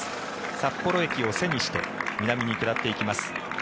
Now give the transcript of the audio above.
札幌駅を背にして南に下っていきます。